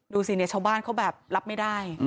ดูสิเนี่ยชาวบ้านเขาแบบรับไม่ได้